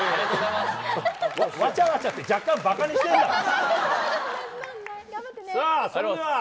わちゃわちゃって若干、バカにしてるだろ。